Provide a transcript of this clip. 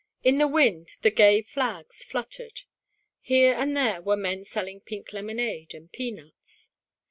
In the wind the gay flags fluttered. Here and there were men selling pink lemonade and peanuts.